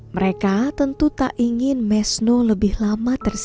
mereka tentu tak ingin mesno lebih lama tersisa